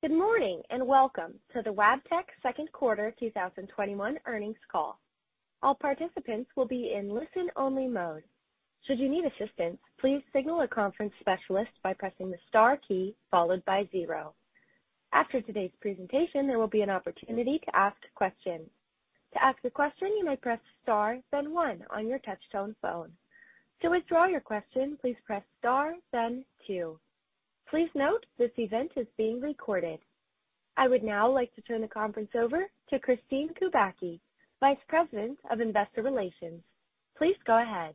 Good morning, and welcome to the Wabtec second quarter 2021 earnings call. All participants will be in listen only mode. Should you need assistance, please signal a conference specialist by pressing the star key, followed by zero. After today's presentation, there will be an opportunity to ask questions. To ask a question, you may press star then one on your touch tone phone. To withdraw your question, please press star then two. Please note, this event is being recorded. I would now like to turn the conference over to Kristine Kubacki, Vice President of Investor Relations. Please go ahead.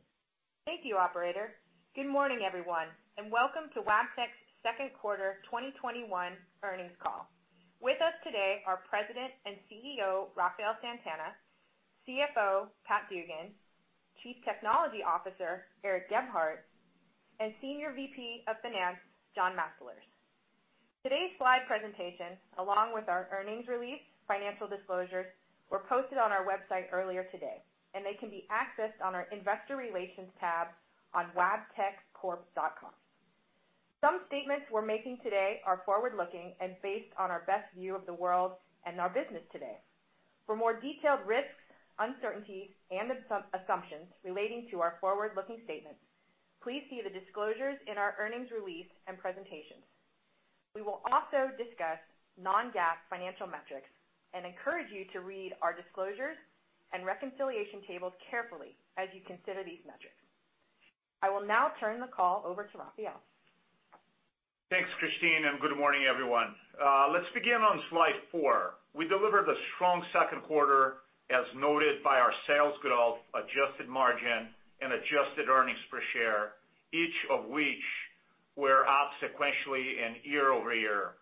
Thank you, operator. Good morning everyone, and welcome to Wabtec's second quarter 2021 earnings call. With us today are President and CEO, Rafael Santana, CFO, Pat Dugan, Chief Technology Officer, Eric Gebhardt, and Senior VP of Finance, John Mastalerz. Today's slide presentation, along with our earnings release, financial disclosures were posted on our website earlier today, and they can be accessed on our investor relations tab on wabteccorp.com. Some statements we're making today are forward-looking and based on our best view of the world and our business today. For more detailed risks, uncertainties, and assumptions relating to our forward-looking statements, please see the disclosures in our earnings release and presentations. We will also discuss non-GAAP financial metrics and encourage you to read our disclosures and reconciliation tables carefully as you consider these metrics. I will now turn the call over to Rafael. Thanks, Kristine, and good morning, everyone. Let's begin on slide four. We delivered a strong second quarter as noted by our sales growth, adjusted margin, and adjusted earnings per share, each of which were up sequentially and year-over-year.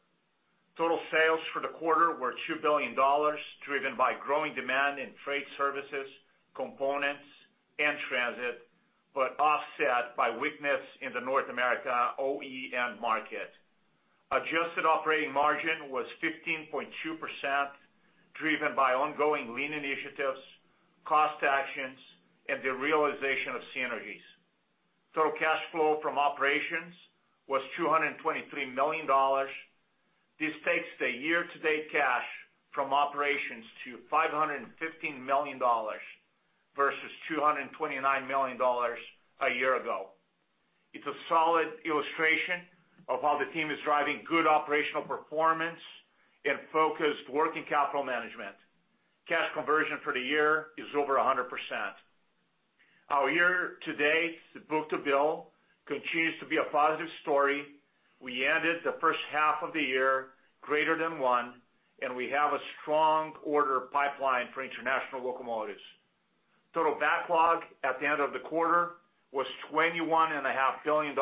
Total sales for the quarter were $2 billion, driven by growing demand in Freight Services, components, and transit, but offset by weakness in the North America OEM market. Adjusted operating margin was 15.2%, driven by ongoing lean initiatives, cost actions, and the realization of synergies. Total cash flow from operations was $223 million. This takes the year-to-date cash from operations to $515 million, versus $229 million a year ago. It's a solid illustration of how the team is driving good operational performance and focused working capital management. Cash conversion for the year is over 100%. Our year-to-date book-to-bill continues to be a positive story. We ended the first half of the year greater than one. We have a strong order pipeline for international locomotives. Total backlog at the end of the quarter was $21.5 billion,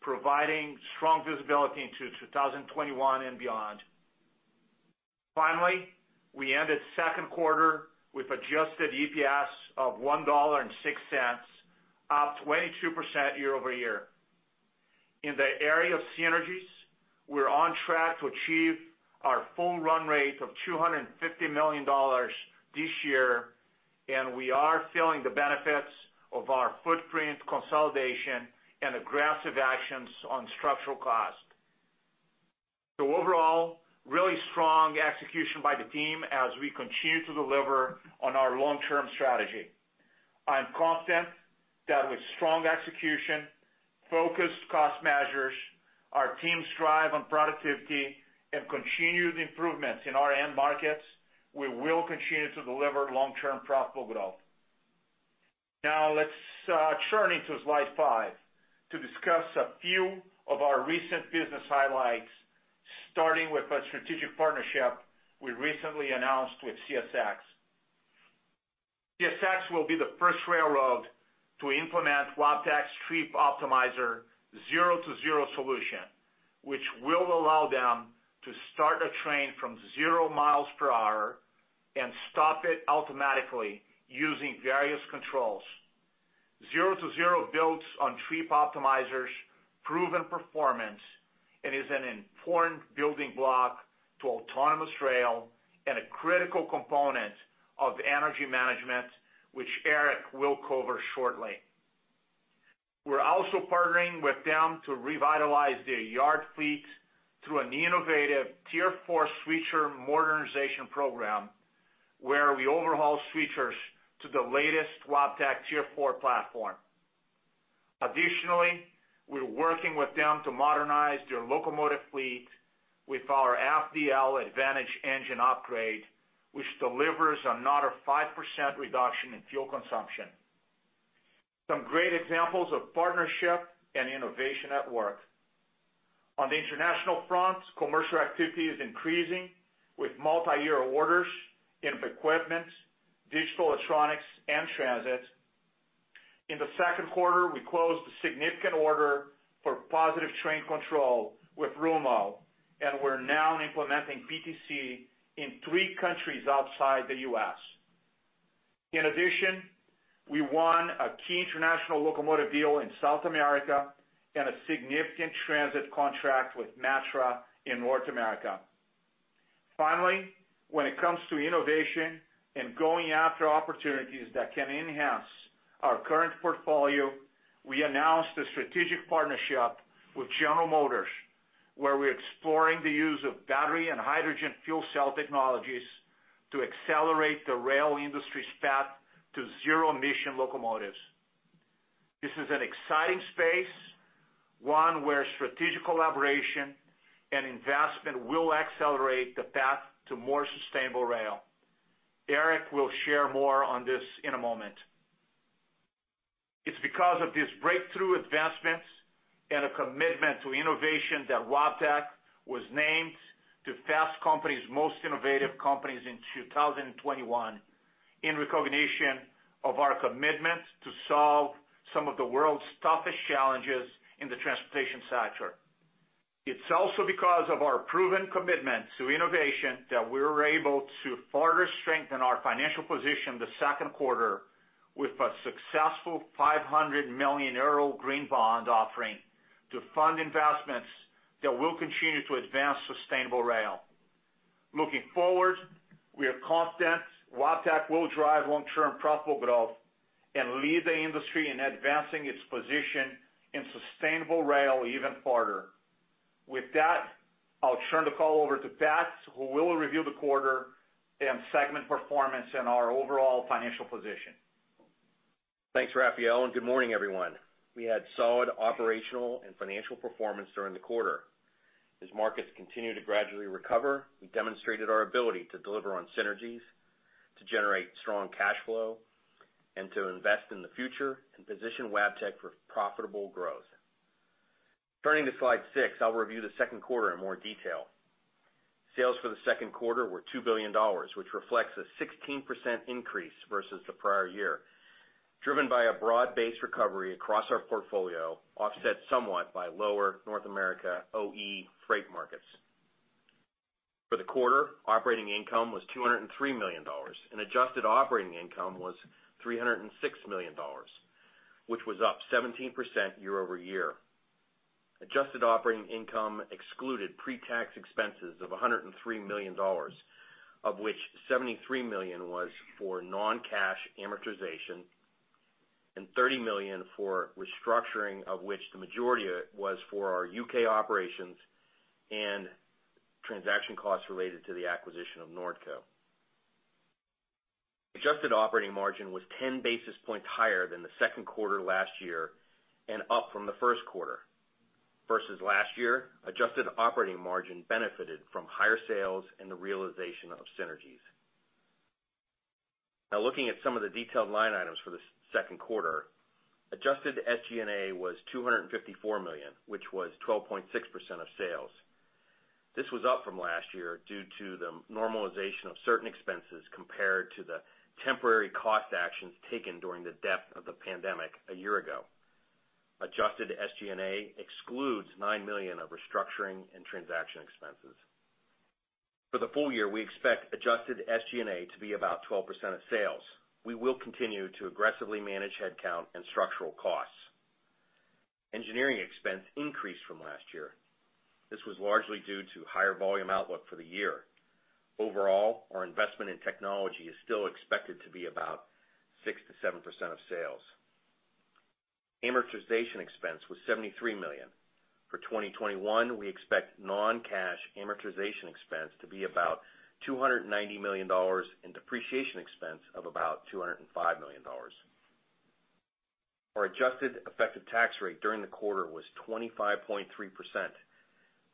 providing strong visibility into 2021 and beyond. Finally, we ended second quarter with adjusted EPS of $1.06, up 22% year-over-year. In the area of synergies, we're on track to achieve our full run rate of $250 million this year. We are feeling the benefits of our footprint consolidation and aggressive actions on structural cost. Overall, really strong execution by the team as we continue to deliver on our long-term strategy. I am confident that with strong execution, focused cost measures, our team's drive on productivity, and continued improvements in our end markets, we will continue to deliver long-term profitable growth. Let's turn into slide five to discuss a few of our recent business highlights, starting with a strategic partnership we recently announced with CSX. CSX will be the first railroad to implement Wabtec's Trip Optimizer Zero-to-Zero solution, which will allow them to start a train from zero miles per hour and stop it automatically using various controls. Zero-to-Zero builds on Trip Optimizer's proven performance and is an important building block to autonomous rail and a critical component of energy management, which Eric will cover shortly. We're also partnering with them to revitalize their yard fleet through an innovative Tier 4 switcher modernization program, where we overhaul switchers to the latest Wabtec Tier 4 platform. We're working with them to modernize their locomotive fleet with our FDL Advantage engine upgrade, which delivers another 5% reduction in fuel consumption. Some great examples of partnership and innovation at work. On the international front, commercial activity is increasing with multi-year orders in equipment, digital electronics, and transit. In the second quarter, we closed a significant order for positive train control with Rumo, and we're now implementing PTC in thee countries outside the U.S. In addition, we won a key international locomotive deal in South America and a significant transit contract with Metra in North America. Finally, when it comes to innovation and going after opportunities that can enhance our current portfolio, we announced a strategic partnership with General Motors, where we're exploring the use of battery and hydrogen fuel cell technologies to accelerate the rail industry's path to zero emission locomotives. This is an exciting space, one where strategic collaboration and investment will accelerate the path to more sustainable rail. Eric will share more on this in a moment. It's because of these breakthrough advancements and a commitment to innovation that Wabtec was named to Fast Company's Most Innovative Companies in 2021, in recognition of our commitment to solve some of the world's toughest challenges in the transportation sector. It's also because of our proven commitment to innovation that we're able to further strengthen our financial position the second quarter, with a successful 500 million euro green bond offering to fund investments that will continue to advance sustainable rail. Looking forward, we are confident Wabtec will drive long-term profitable growth and lead the industry in advancing its position in sustainable rail even further. With that, I'll turn the call over to Pat, who will review the quarter and segment performance and our overall financial position. Thanks, Rafael. Good morning, everyone. We had solid operational and financial performance during the quarter. As markets continue to gradually recover, we demonstrated our ability to deliver on synergies, to generate strong cash flow, and to invest in the future and position Wabtec for profitable growth. Turning to slide six, I'll review the second quarter in more detail. Sales for the second quarter were $2 billion, which reflects a 16% increase versus the prior year, driven by a broad-based recovery across our portfolio, offset somewhat by lower North America OE freight markets. For the quarter, operating income was $203 million, and adjusted operating income was $306 million, which was up 17% year-over-year. Adjusted operating income excluded pre-tax expenses of $103 million, of which $73 million was for non-cash amortization and $30 million for restructuring, of which the majority was for our U.K. operations and transaction costs related to the acquisition of Nordco. Adjusted operating margin was 10 basis points higher than the second quarter last year and up from the first quarter. Versus last year, adjusted operating margin benefited from higher sales and the realization of synergies. Now, looking at some of the detailed line items for the second quarter, adjusted SG&A was $254 million, which was 12.6% of sales. This was up from last year due to the normalization of certain expenses compared to the temporary cost actions taken during the depth of the pandemic a year ago. Adjusted SG&A excludes $9 million of restructuring and transaction expenses. For the full year, we expect adjusted SG&A to be about 12% of sales. We will continue to aggressively manage headcount and structural costs. Engineering expense increased from last year. This was largely due to higher volume outlook for the year. Overall, our investment in technology is still expected to be about 6%-7% of sales. Amortization expense was $73 million. For 2021, we expect non-cash amortization expense to be about $290 million and depreciation expense of about $205 million. Our adjusted effective tax rate during the quarter was 25.3%,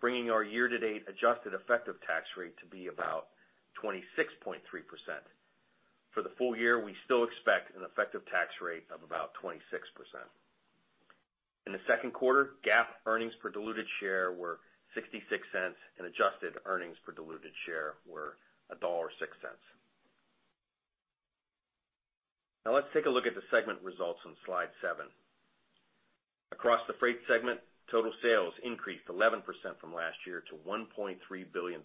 bringing our year-to-date adjusted effective tax rate to be about 26.3%. For the full year, we still expect an effective tax rate of about 26%. In the second quarter, GAAP earnings per diluted share were $0.66, and adjusted earnings per diluted share were $1.06. Now let's take a look at the segment results on slide seven. Across the freight segment, total sales increased 11% from last year to $1.3 billion,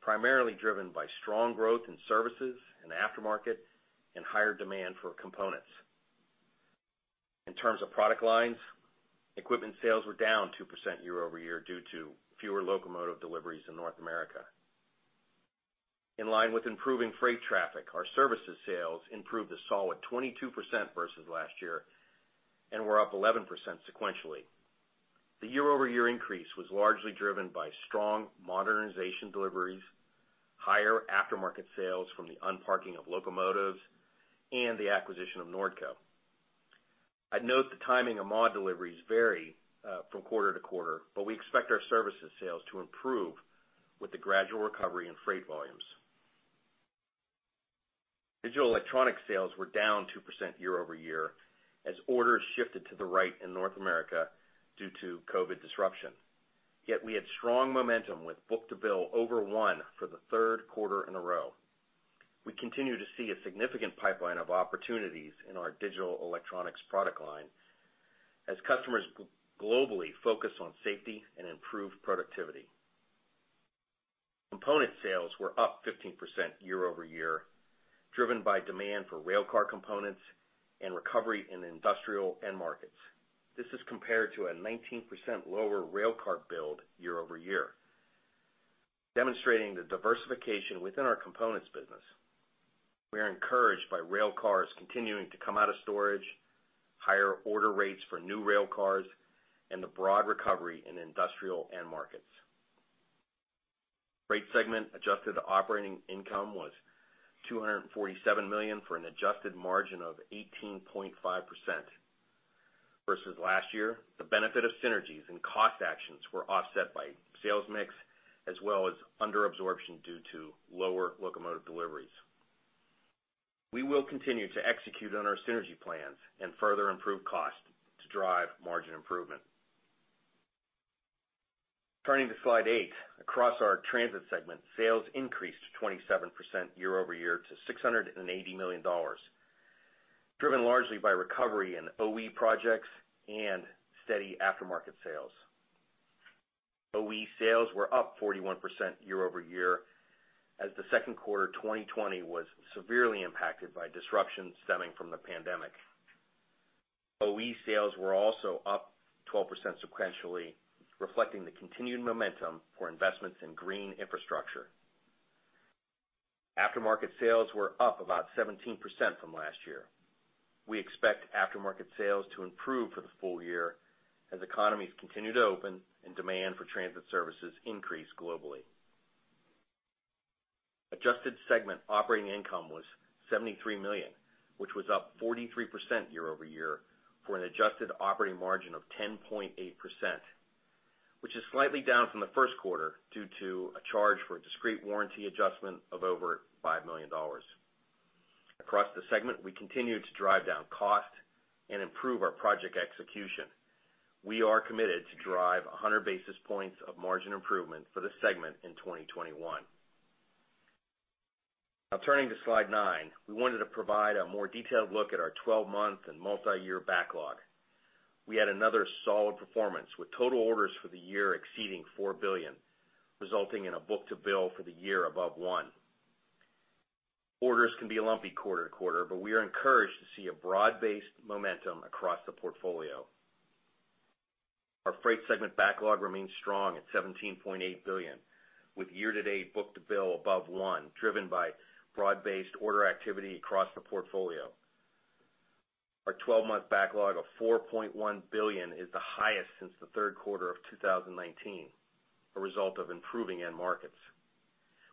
primarily driven by strong growth in services and aftermarket and higher demand for components. In terms of product lines, equipment sales were down 2% year-over-year due to fewer locomotive deliveries in North America. In line with improving freight traffic, our services sales improved a solid 22% versus last year and were up 11% sequentially. The year-over-year increase was largely driven by strong modernization deliveries, higher aftermarket sales from the unparking of locomotives, and the acquisition of Nordco. I'd note the timing of mod deliveries vary from quarter-to-quarter, but we expect our services sales to improve with the gradual recovery in freight volumes. Digital electronic sales were down 2% year-over-year as orders shifted to the right in North America due to COVID disruption. We had strong momentum with book-to-bill over one for the third quarter in a row. We continue to see a significant pipeline of opportunities in our digital electronics product line as customers globally focus on safety and improved productivity. Component sales were up 15% year-over-year, driven by demand for railcar components and recovery in industrial end markets. This is compared to a 19% lower railcar build year-over-year, demonstrating the diversification within our components business. We are encouraged by railcars continuing to come out of storage, higher order rates for new railcars, and the broad recovery in industrial end markets. Freight segment adjusted operating income was $247 million for an adjusted margin of 18.5%. Last year, the benefit of synergies and cost actions were offset by sales mix, as well as under-absorption due to lower locomotive deliveries. We will continue to execute on our synergy plans and further improve cost to drive margin improvement. Turning to slide eight. Across our transit segment, sales increased 27% year-over-year to $680 million, driven largely by recovery in OE projects and steady aftermarket sales. OE sales were up 41% year-over-year, as the second quarter 2020 was severely impacted by disruptions stemming from the pandemic. OE sales were also up 12% sequentially, reflecting the continued momentum for investments in green infrastructure. Aftermarket sales were up about 17% from last year. We expect aftermarket sales to improve for the full year as economies continue to open and demand for transit services increase globally. Adjusted segment operating income was $73 million, which was up 43% year-over-year for an adjusted operating margin of 10.8%, which is slightly down from the first quarter due to a charge for a discrete warranty adjustment of over $5 million. Across the segment, we continued to drive down cost and improve our project execution. We are committed to drive 100 basis points of margin improvement for the segment in 2021. Now turning to slide nine. We wanted to provide a more detailed look at our 12-month and multi-year backlog. We had another solid performance, with total orders for the year exceeding $4 billion, resulting in a book-to-bill for the year above one. Orders can be lumpy quarter-to-quarter, but we are encouraged to see a broad-based momentum across the portfolio. Our freight segment backlog remains strong at $17.8 billion with year-to-date book-to-bill above one, driven by broad-based order activity across the portfolio. Our 12-month backlog of $4.1 billion is the highest since the third quarter of 2019, a result of improving end markets.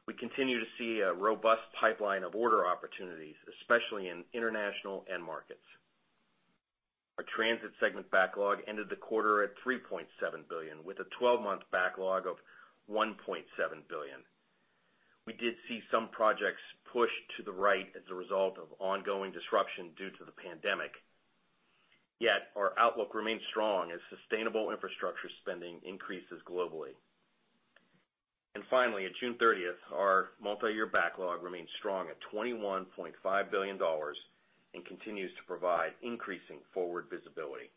We continue to see a robust pipeline of order opportunities, especially in international end markets. Our transit segment backlog ended the quarter at $3.7 billion, with a 12-month backlog of $1.7 billion. We did see some projects pushed to the right as a result of ongoing disruption due to the pandemic. Our outlook remains strong as sustainable infrastructure spending increases globally. Finally, at June 30th, our multiyear backlog remains strong at $21.5 billion and continues to provide increasing forward visibility.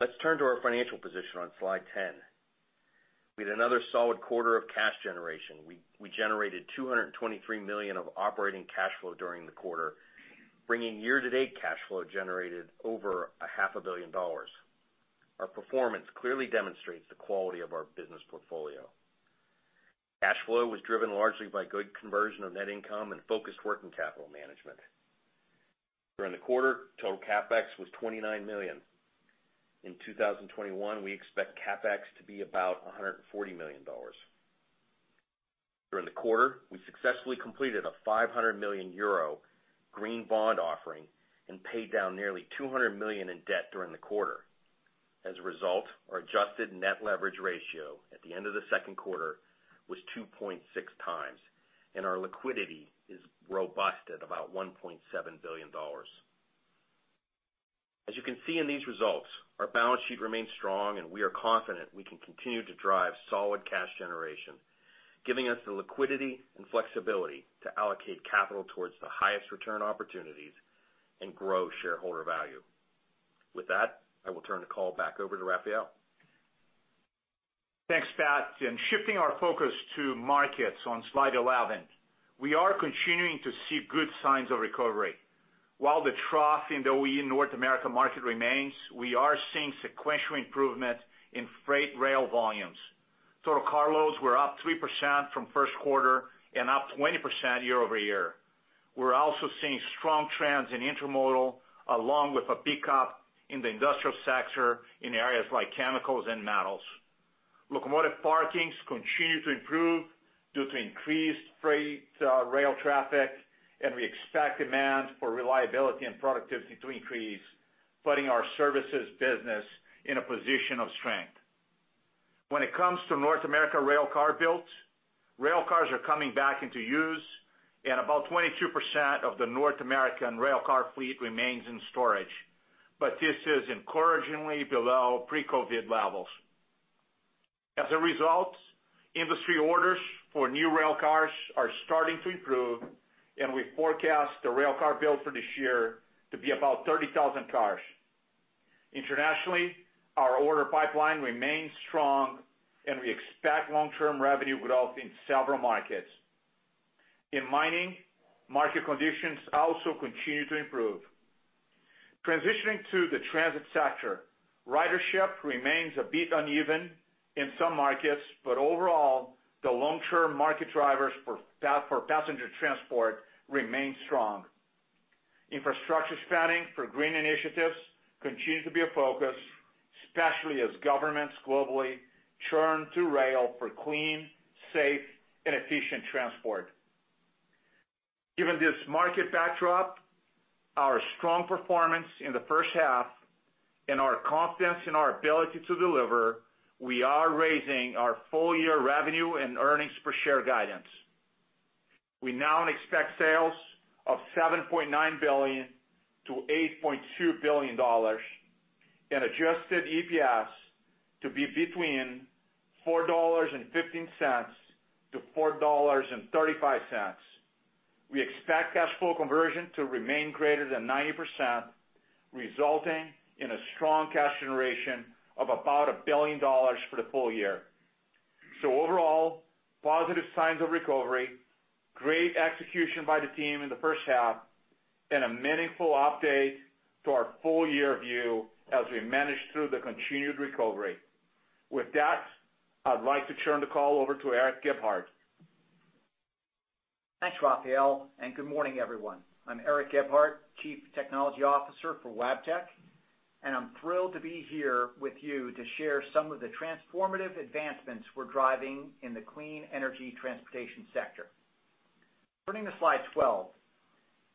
Let's turn to our financial position on slide 10. We had another solid quarter of cash generation. We generated $223 million of operating cash flow during the quarter, bringing year-to-date cash flow generated over $500 a billion. Our performance clearly demonstrates the quality of our business portfolio. Cash flow was driven largely by good conversion of net income and focused working capital management. During the quarter, total CapEx was $29 million. In 2021, we expect CapEx to be about $140 million. During the quarter, we successfully completed a 500 million euro green bond offering and paid down nearly $200 million in debt during the quarter. As a result, our adjusted net leverage ratio at the end of the second quarter was 2.6 times, and our liquidity is robust at about $1.7 billion. As you can see in these results, our balance sheet remains strong, and we are confident we can continue to drive solid cash generation, giving us the liquidity and flexibility to allocate capital towards the highest return opportunities and grow shareholder value. With that, I will turn the call back over to Rafael. Thanks, Pat. Shifting our focus to markets on slide 11. We are continuing to see good signs of recovery. While the trough in the OE North America market remains, we are seeing sequential improvement in freight rail volumes. Total car loads were up 3% from first quarter and up 20% year-over-year. We're also seeing strong trends in intermodal, along with a pickup in the industrial sector in areas like chemicals and metals. Locomotive parkings continue to improve due to increased freight rail traffic, and we expect demand for reliability and productivity to increase, putting our services business in a position of strength. When it comes to North America railcar builds, railcars are coming back into use and about 22% of the North American railcar fleet remains in storage, but this is encouragingly below pre-COVID levels. As a result, industry orders for new railcars are starting to improve, and we forecast the railcar build for this year to be about 30,000 cars. Internationally, our order pipeline remains strong, and we expect long-term revenue growth in several markets. In mining, market conditions also continue to improve. Transitioning to the transit sector, ridership remains a bit uneven in some markets, but overall, the long-term market drivers for passenger transport remain strong. Infrastructure spending for green initiatives continues to be a focus, especially as governments globally turn to rail for clean, safe, and efficient transport. Given this market backdrop, our strong performance in the first half, and our confidence in our ability to deliver, we are raising our full-year revenue and earnings per share guidance. We now expect sales of $7.9 billion-$8.2 billion. Adjusted EPS to be between $4.15 to $4.35. We expect cash flow conversion to remain greater than 90%, resulting in a strong cash generation of about $1 billion for the full year. Overall, positive signs of recovery, great execution by the team in the first half, and a meaningful update to our full-year view as we manage through the continued recovery. With that, I'd like to turn the call over to Eric Gebhardt. Thanks, Rafael. Good morning, everyone. I'm Eric Gebhardt, Chief Technology Officer for Wabtec, and I'm thrilled to be here with you to share some of the transformative advancements we're driving in the clean energy transportation sector. Turning to slide 12.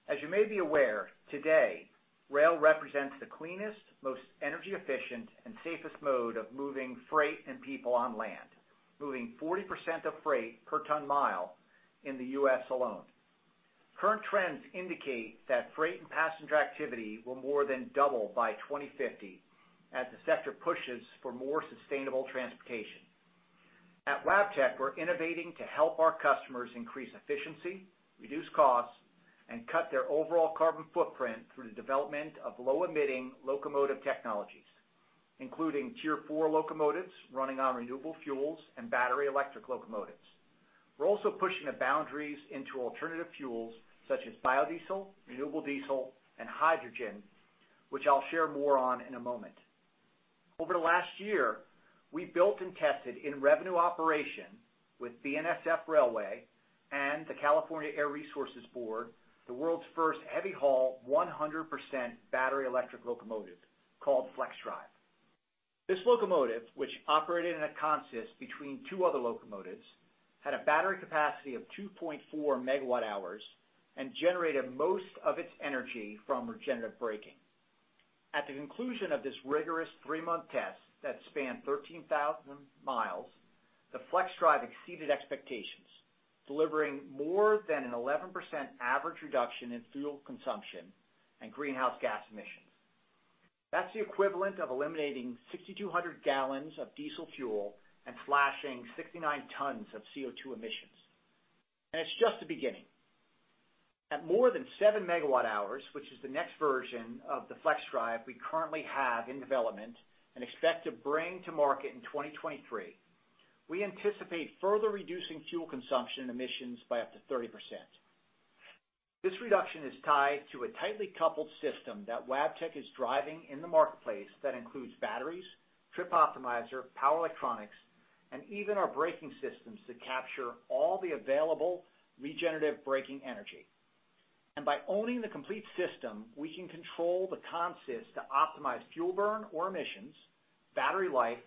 As you may be aware, today, rail represents the cleanest, most energy efficient, and safest mode of moving freight and people on land. Moving 40% of freight per ton mile in the U.S. alone. Current trends indicate that freight and passenger activity will more than double by 2050 as the sector pushes for more sustainable transportation. At Wabtec, we're innovating to help our customers increase efficiency, reduce costs, and cut their overall carbon footprint through the development of low-emitting locomotive technologies, including Tier 4 locomotives running on renewable fuels and battery-electric locomotives. We're also pushing the boundaries into alternative fuels such as biodiesel, renewable diesel, and hydrogen, which I'll share more on in a moment. Over the last year, we built and tested in revenue operation with BNSF Railway and the California Air Resources Board, the world's first heavy-haul 100% battery-electric locomotive called FLXdrive. This locomotive, which operated in a consist between two other locomotives, had a battery capacity of 2.4 MWh and generated most of its energy from regenerative braking. At the conclusion of this rigorous three-month test that spanned 13,000 miles, the FLXdrive exceeded expectations, delivering more than an 11% average reduction in fuel consumption and greenhouse gas emissions. That's the equivalent of eliminating 6,200 gallons of diesel fuel and slashing 69 tons of CO2 emissions. It's just the beginning. At more than 7 MWh, which is the next version of the FLXdrive we currently have in development and expect to bring to market in 2023, we anticipate further reducing fuel consumption emissions by up to 30%. This reduction is tied to a tightly coupled system that Wabtec is driving in the marketplace that includes batteries, Trip Optimizer, power electronics, and even our braking systems that capture all the available regenerative braking energy. By owning the complete system, we can control the consist to optimize fuel burn or emissions, battery life,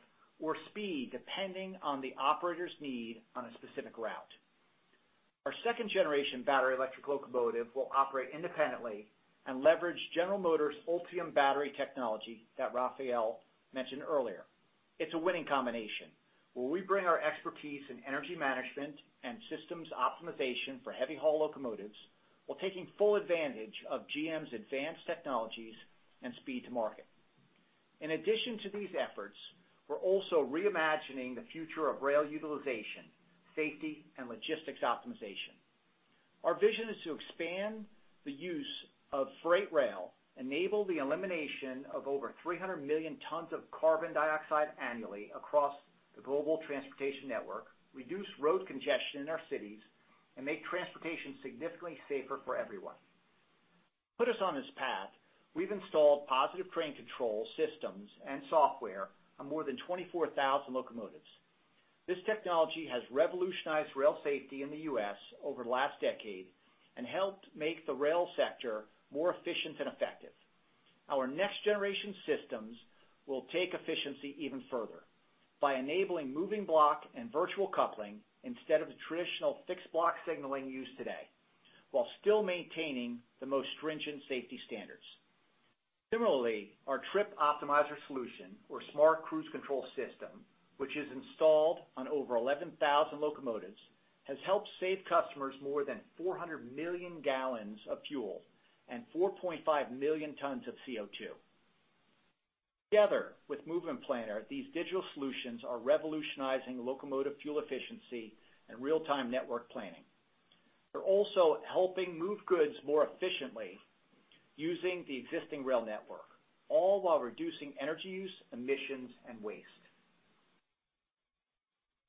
or speed depending on the operator's need on a specific route. Our second-generation battery-electric locomotive will operate independently and leverage General Motors' Ultium battery technology that Rafael mentioned earlier. It's a winning combination, where we bring our expertise in energy management and systems optimization for heavy-haul locomotives while taking full advantage of GM's advanced technologies and speed to market. In addition to these efforts, we're also reimagining the future of rail utilization, safety, and logistics optimization. Our vision is to expand the use of freight rail, enable the elimination of over 300 million tons of carbon dioxide annually across the global transportation network, reduce road congestion in our cities, and make transportation significantly safer for everyone. To put us on this path, we've installed positive train control systems and software on more than 24,000 locomotives. This technology has revolutionized rail safety in the U.S. over the last decade and helped make the rail sector more efficient and effective. Our next-generation systems will take efficiency even further by enabling moving block and virtual coupling instead of the traditional fixed block signaling used today, while still maintaining the most stringent safety standards. Similarly, our Trip Optimizer solution or smart cruise control system, which is installed on over 11,000 locomotives, has helped save customers more than 400 million gallons of fuel and 4.5 million tons of CO2. Together with Movement Planner, these digital solutions are revolutionizing locomotive fuel efficiency and real-time network planning. We're also helping move goods more efficiently using the existing rail network, all while reducing energy use, emissions, and waste.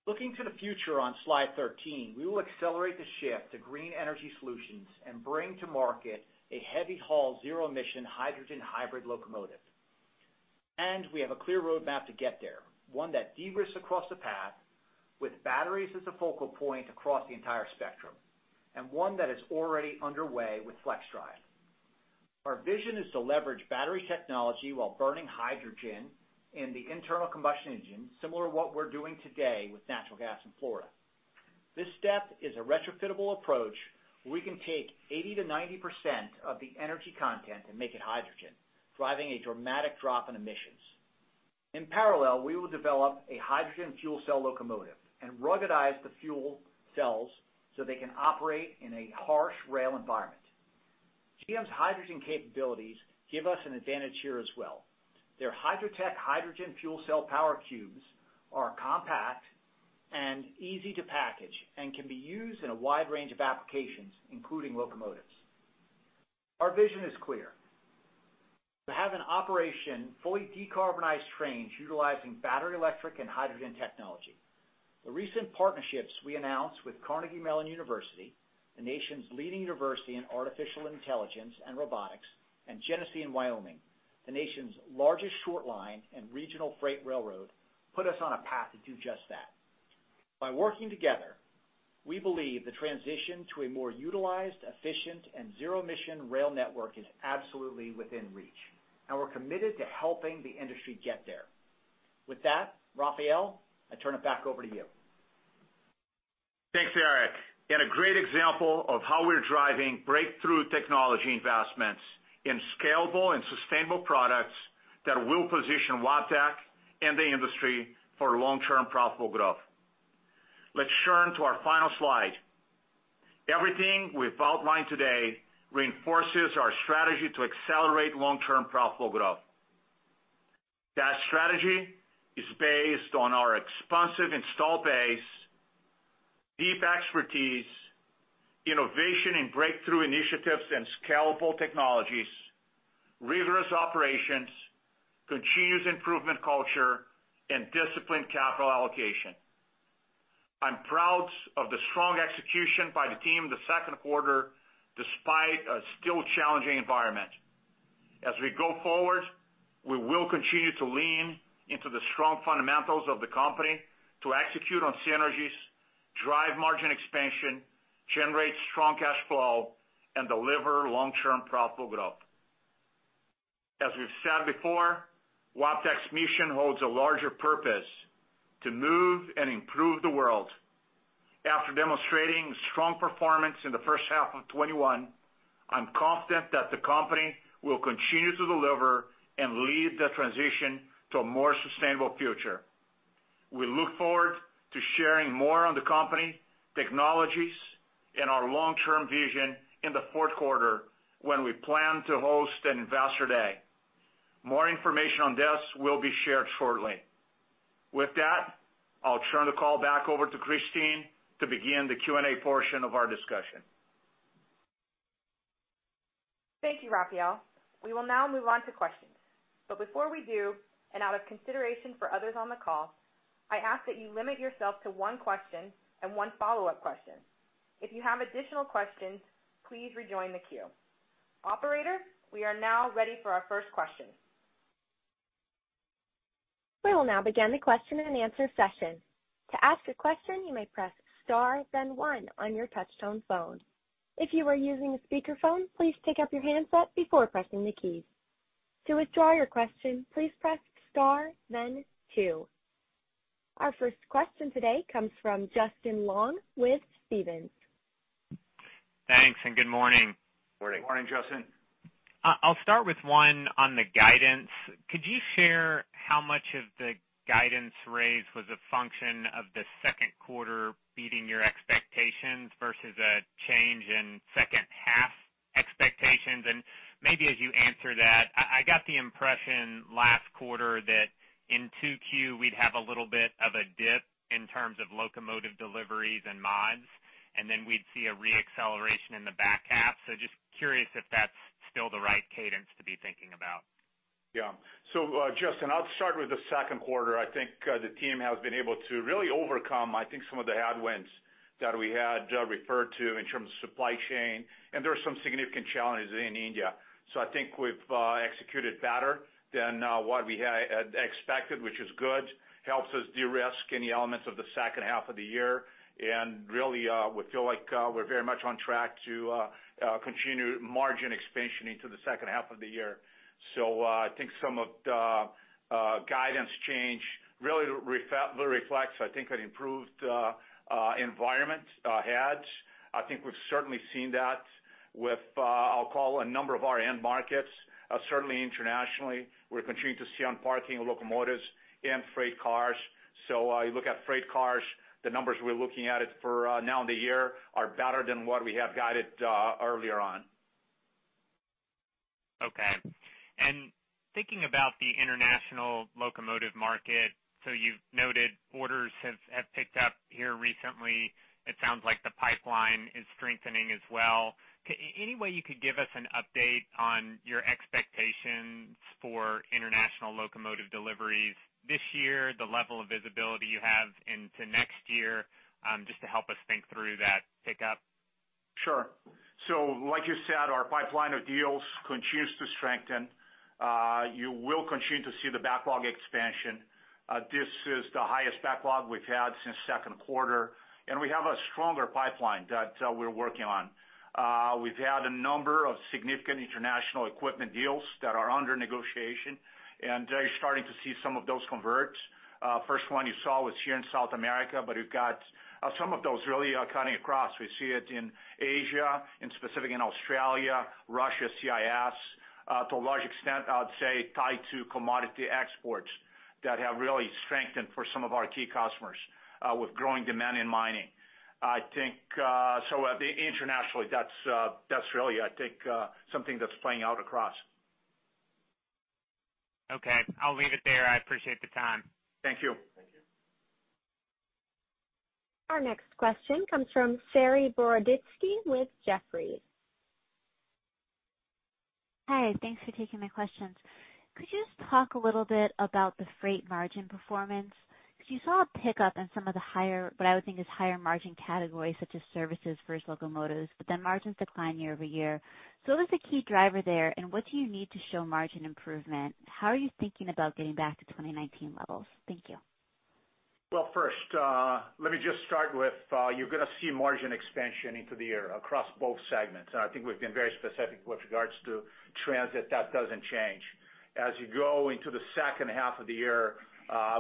Looking to the future on slide 13, we will accelerate the shift to green energy solutions and bring to market a heavy-haul, zero-emission hydrogen hybrid locomotive. We have a clear roadmap to get there, one that de-risks across the path with batteries as a focal point across the entire spectrum, and one that is already underway with FLXdrive. Our vision is to leverage battery technology while burning hydrogen in the internal combustion engine, similar to what we're doing today with natural gas in Florida. This step is a retrofittable approach where we can take 80%-90% of the energy content and make it hydrogen, driving a dramatic drop in emissions. In parallel, we will develop a hydrogen fuel cell locomotive and ruggedize the fuel cells so they can operate in a harsh rail environment. GM's hydrogen capabilities give us an advantage here as well. Their HYDROTEC hydrogen fuel cell power cubes are compact and easy to package and can be used in a wide range of applications, including locomotives. Our vision is clear. To have an operation fully decarbonize trains utilizing battery-electric and hydrogen technology. The recent partnerships we announced with Carnegie Mellon University, the nation's leading university in artificial intelligence and robotics, and Genesee & Wyoming, the nation's largest short line and regional freight railroad, put us on a path to do just that. By working together, we believe the transition to a more utilized, efficient, and zero-emission rail network is absolutely within reach, and we're committed to helping the industry get there. With that, Rafael, I turn it back over to you. Thanks, Eric. A great example of how we're driving breakthrough technology investments in scalable and sustainable products that will position Wabtec and the industry for long-term profitable growth. Let's turn to our final slide. Everything we've outlined today reinforces our strategy to accelerate long-term profitable growth. That strategy is based on our expansive installed base, deep expertise, innovation in breakthrough initiatives and scalable technologies, rigorous operations, continuous improvement culture, and disciplined capital allocation. I'm proud of the strong execution by the team in the second quarter, despite a still challenging environment. As we go forward, we will continue to lean into the strong fundamentals of the company to execute on synergies, drive margin expansion, generate strong cash flow, and deliver long-term profitable growth. As we've said before, Wabtec's mission holds a larger purpose: to move and improve the world. After demonstrating strong performance in the first half of 2021, I'm confident that the company will continue to deliver and lead the transition to a more sustainable future. We look forward to sharing more on the company, technologies, and our long-term vision in the fourth quarter when we plan to host an investor day. More information on this will be shared shortly. With that, I'll turn the call back over to Kristine to begin the Q&A portion of our discussion. Thank you, Rafael. We will now move on to questions. Before we do, and out of consideration for others on the call, I ask that you limit yourself to one question and one follow-up question. If you have additional questions, please rejoin the queue. Operator, we are now ready for our first question. We will now begin the question and answer session. To ask a question, you may press star then one on your touch-tone phone. If you are using a speakerphone, please take up your handset before pressing the keys. To withdraw your question, please press star then two. Our first question today comes from Justin Long with Stephens. Thanks, and good morning. Good morning. Good morning, Justin. I'll start with one on the guidance. Could you share how much of the guidance raise was a function of the second quarter beating your expectations versus a change in second half expectations? Maybe as you answer that, I got the impression last quarter that in 2Q, we'd have a little bit of a dip in terms of locomotive deliveries and mods, and then we'd see a re-acceleration in the back half. Just curious if that's still the right cadence to be thinking about. Yeah. Justin, I'll start with the second quarter. I think the team has been able to really overcome, I think, some of the headwinds that we had referred to in terms of supply chain, and there are some significant challenges in India. I think we've executed better than what we had expected, which is good. Helps us de-risk any elements of the second half of the year. Really, we feel like we're very much on track to continued margin expansion into the second half of the year. I think some of the guidance change really reflects, I think, an improved environment ahead. I think we've certainly seen that with, I'll call a number of our end markets. Certainly internationally, we're continuing to see unparking locomotives and freight cars. You look at freight cars, the numbers we're looking at it for now in the year are better than what we have guided earlier on. Okay. Thinking about the international locomotive market, so you've noted orders have picked up here recently. It sounds like the pipeline is strengthening as well. Any way you could give us an update on your expectations for international locomotive deliveries this year, the level of visibility you have into next year, just to help us think through that pickup. Sure. Like you said, our pipeline of deals continues to strengthen. You will continue to see the backlog expansion. This is the highest backlog we've had since second quarter, and we have a stronger pipeline that we're working on. We've had a number of significant international equipment deals that are under negotiation, and you're starting to see some of those convert. First one you saw was here in South America, but we've got some of those really cutting across. We see it in Asia, specific in Australia, Russia, CIS. To a large extent, I would say tied to commodity exports that have really strengthened for some of our key customers, with growing demand in mining. Internationally, that's really, I think, something that's playing out across. Okay. I'll leave it there. I appreciate the time. Thank you. Thank you. Our next question comes from Saree Boroditsky with Jefferies. Hi. Thanks for taking my questions. Could you just talk a little bit about the freight margin performance? You saw a pickup in some of the higher, what I would think is higher margin categories such as services versus locomotives, but then margins decline year-over-year. What is the key driver there, and what do you need to show margin improvement? How are you thinking about getting back to 2019 levels? Thank you. Well, first, let me just start with, you're going to see margin expansion into the year across both segments. I think we've been very specific with regards to transit. That doesn't change. As you go into the second half of the year,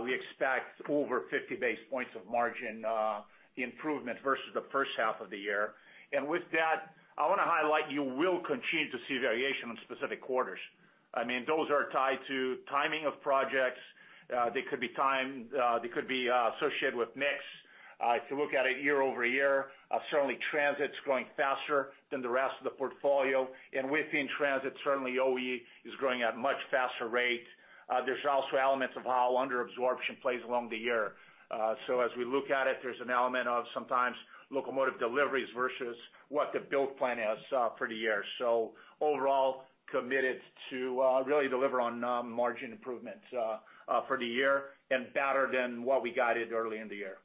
we expect over 50 basis points of margin improvement versus the first half of the year. With that, I want to highlight you will continue to see variation on specific quarters. Those are tied to timing of projects. They could be associated with mix. If you look at it year-over-year, certainly transit's growing faster than the rest of the portfolio. Within transit, certainly OE is growing at much faster rate. There's also elements of how under absorption plays along the year. As we look at it, there's an element of sometimes locomotive deliveries versus what the build plan is for the year. Overall, committed to really deliver on margin improvements for the year and better than what we guided early in the year.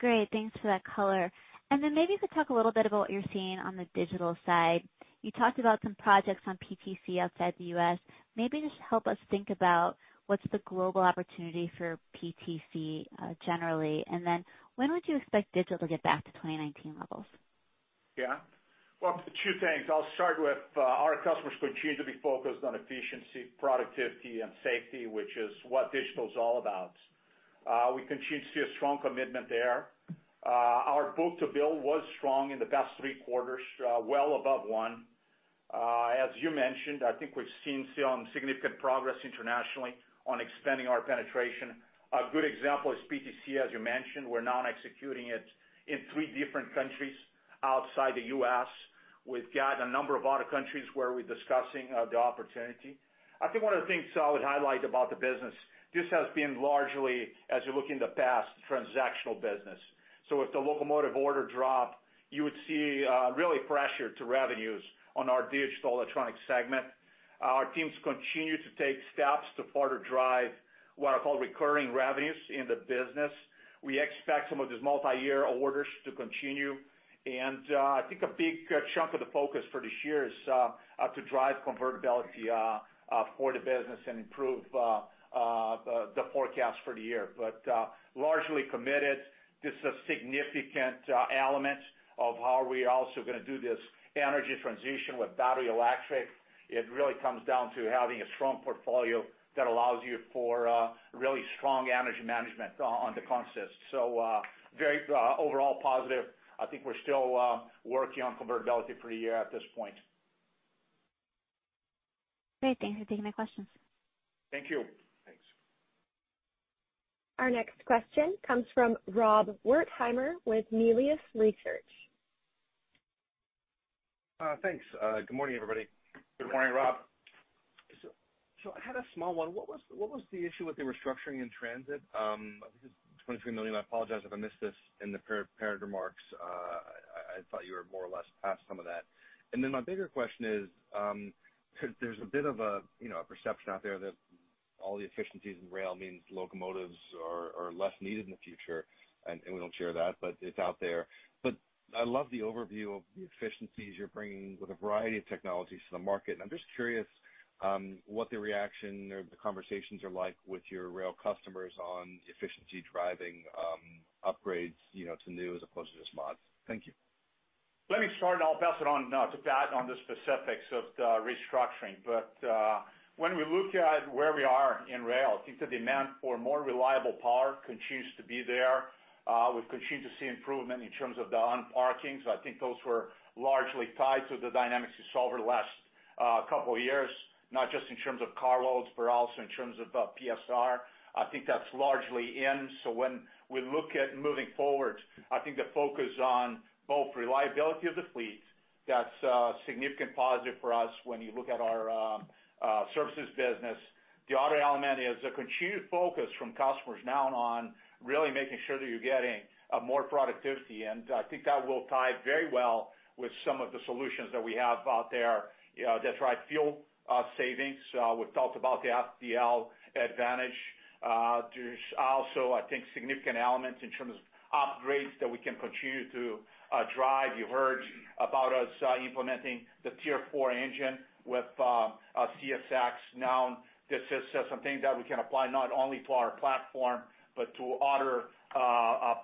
Great. Thanks for that color. You could talk a little bit about what you're seeing on the digital side. You talked about some projects on PTC outside the U.S. Maybe just help us think about what's the global opportunity for PTC generally, and then when would you expect digital to get back to 2019 levels? Yeah. Well, two things. I'll start with, our customers continue to be focused on efficiency, productivity, and safety, which is what digital's all about. We continue to see a strong commitment there. Our book-to-bill was strong in the past three quarters, well above one. As you mentioned, I think we've seen significant progress internationally on expanding our penetration. A good example is PTC, as you mentioned. We're now executing it in three different countries outside the U.S. We've got a number of other countries where we're discussing the opportunity. I think one of the things I would highlight about the business, this has been largely, as you look in the past, transactional business. If the locomotive order dropped, you would see really pressure to revenues on our digital electronic segment. Our teams continue to take steps to further drive what I call recurring revenues in the business. We expect some of these multi-year orders to continue. I think a big chunk of the focus for this year is to drive convertibility for the business and improve the forecast for the year. Largely committed. This is a significant element of how we're also going to do this energy transition with battery-electric. It really comes down to having a strong portfolio that allows you for really strong energy management on the consist. Very overall positive. I think we're still working on convertibility for a year at this point. Great. Thanks for taking my questions. Thank you. Thanks. Our next question comes from Rob Wertheimer with Melius Research. Thanks. Good morning, everybody. Good morning, Rob. I had a small one. What was the issue with the restructuring in transit? I think it was $23 million. I apologize if I missed this in the prepared remarks. I thought you were more or less past some of that. My bigger question is, there's a bit of a perception out there that all the efficiencies in rail means locomotives are less needed in the future. We don't share that, but it's out there. I love the overview of the efficiencies you're bringing with a variety of technologies to the market, and I'm just curious what the reaction or the conversations are like with your rail customers on the efficiency driving upgrades to new as opposed to just mods. Thank you. Let me start and I'll pass it on to Pat on the specifics of the restructuring. When we look at where we are in rail, I think the demand for more reliable power continues to be there. We continue to see improvement in terms of the unparkings. I think those were largely tied to the dynamics you saw over last a couple of years, not just in terms of car loads, but also in terms of PSR. I think that's largely in. When we look at moving forward, I think the focus on both reliability of the fleet, that's a significant positive for us when you look at our services business. The other element is the continued focus from customers now on really making sure that you're getting more productivity, and I think that will tie very well with some of the solutions that we have out there. That's right, fuel savings. We've talked about the FDL Advantage. There's also, I think, significant elements in terms of upgrades that we can continue to drive. You heard about us implementing the Tier 4 engine with CSX. This is something that we can apply not only to our platform, but to other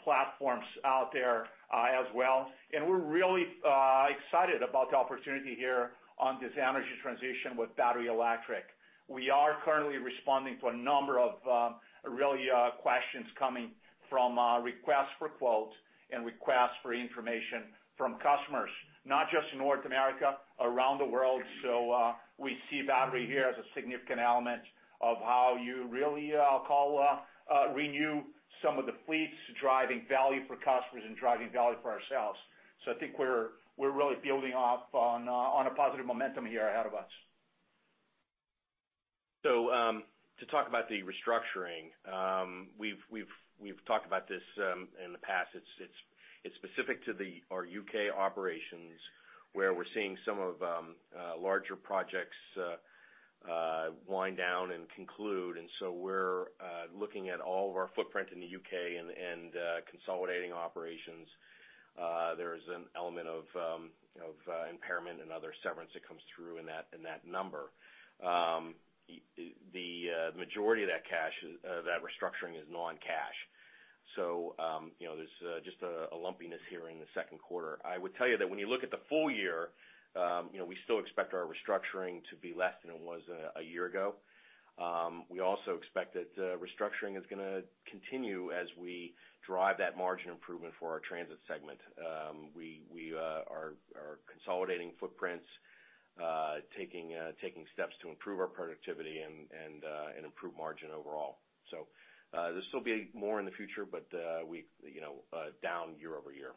platforms out there as well. We're really excited about the opportunity here on this energy transition with battery-electric. We are currently responding to a number of questions coming from requests for quotes and requests for information from customers, not just in North America, around the world. We see battery here as a significant element of how you really renew some of the fleets, driving value for customers and driving value for ourselves. I think we're really building off on a positive momentum here ahead of us. To talk about the restructuring, we've talked about this in the past. It's specific to our U.K. operations, where we're seeing some of larger projects wind down and conclude. We're looking at all of our footprint in the U.K. and consolidating operations. There is an element of impairment and other severance that comes through in that number. The majority of that restructuring is non-cash. There's just a lumpiness here in the second quarter. I would tell you that when you look at the full year, we still expect our restructuring to be less than it was a year ago. We also expect that restructuring is going to continue as we drive that margin improvement for our transit segment. We are consolidating footprints, taking steps to improve our productivity, and improve margin overall. There'll still be more in the future, but down year-over-year.